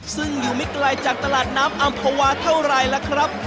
ซึ่งอยู่ไม่ไกลจากตลาดน้ำอำภาวาเท่าไรล่ะครับ